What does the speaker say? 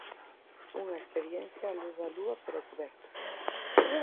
Unha experiencia a luz da lúa pero a cuberto.